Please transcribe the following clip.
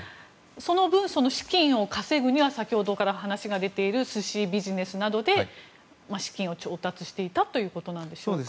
その分、資金を稼ぐには先ほどから話が出ている寿司ビジネスなどで資金を調達していたということなんでしょうか。